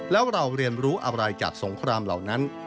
แล้วเราเรียนรู้อะไรจากสงครามเหล่านั้น